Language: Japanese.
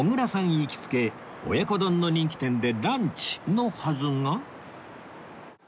行きつけ親子丼の人気店でランチのはずが？